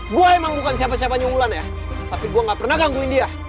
gua emang bukan siapa siapanya ulan ya tapi gua nggak pernah gangguin dia